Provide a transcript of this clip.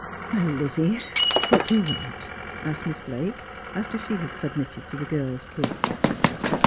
' Well, Lizzie, what do you want ?' asked Miss Blake, after she had submitted to the girl's kiss.